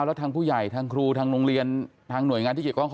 แล้วทางผู้ใหญ่ทางครูทางโรงเรียนทางหน่วยงานที่เกี่ยวข้อง